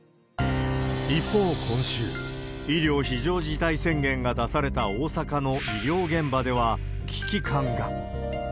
一方、今週、医療非常事態宣言が出された大阪の医療現場では、危機感が。